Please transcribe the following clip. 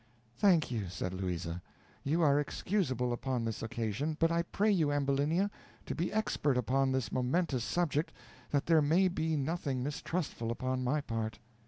"Thank you," said Louisa, "you are excusable upon this occasion; but I pray you, Ambulinia, to be expert upon this momentous subject, that there may be nothing mistrustful upon my part."